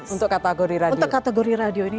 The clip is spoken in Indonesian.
untuk kategori radio